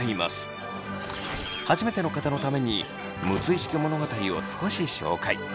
初めての方のために「六石家物語」を少し紹介。